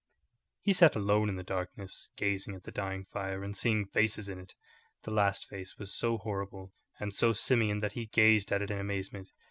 He sat alone in the darkness, gazing at the dying fire, and seeing faces in it. The last face was so horrible and so simian that he gazed at it in amazement.